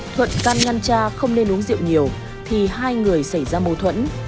thuận can ngăn cha không nên uống rượu nhiều thì hai người xảy ra mâu thuẫn